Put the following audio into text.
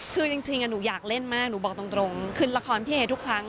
คือจริงหนูอยากเล่นมากหนูบอกตรงขึ้นละครพี่เอทุกครั้ง